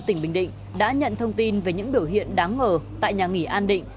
tỉnh bình định đã nhận thông tin về những biểu hiện đáng ngờ tại nhà nghỉ an định